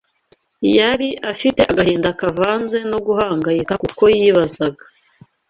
Yari afite agahinda kavanze no guhangayika kuko yibazaga